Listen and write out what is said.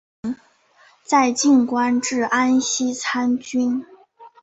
在晋官至安西参军。